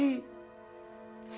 saya tidak peduli